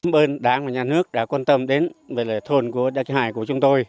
bên đảng và nhà nước đã quan tâm đến về thôn của đắc hải của chúng tôi